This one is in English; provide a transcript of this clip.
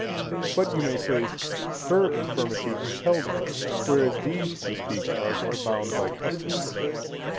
But you may say, Her infirmity compelled her, whereas these we speak of are bound by custom.